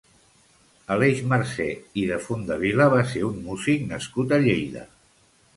Aleix Mercé i de Fondevila va ser un músic nascut a Lleida.